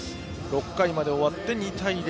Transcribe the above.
６回まで終わって２対０。